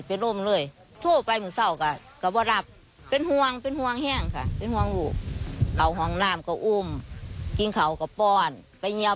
เป็นผู้เหตุตัวนี้ของเขายังโม่หัวเลย